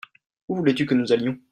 Où voulais-tu que nous allions ?